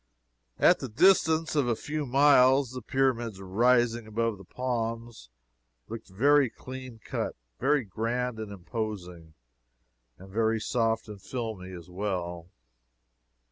At the distance of a few miles the Pyramids rising above the palms, looked very clean cut, very grand and imposing, and very soft and filmy, as well.